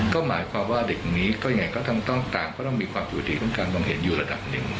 ก็หมายความว่าเด็กนี้ก็ยังไงก็ต้องต่างก็ต้องมีความยุติต้องการความเห็นอยู่ระดับหนึ่ง